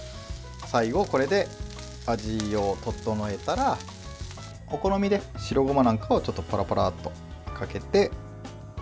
最後、これで味を調えたらお好みで白ごまなんかをちょっとパラパラッとかけて。